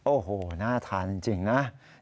โอ้โหน่าทานจริงนะ